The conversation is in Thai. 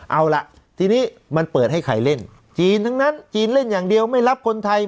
เอาล่ะทีนี้มันเปิดให้ใครเล่นจีนทั้งนั้นจีนเล่นอย่างเดียวไม่รับคนไทย